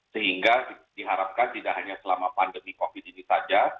sehingga diharapkan tidak hanya selama pandemi covid ini saja